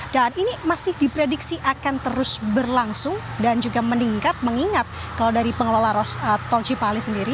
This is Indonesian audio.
dan ini masih diprediksi akan terus berlangsung dan juga meningkat mengingat kalau dari pengelola tol cipali sendiri